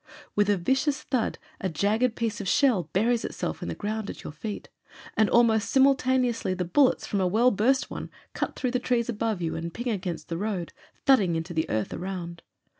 With a vicious thud a jagged piece of shell buries itself in the ground at your feet; and almost simul taneously the bullets from a Well burst one cut through the trees above you and ping against the road, thudding into the earth around.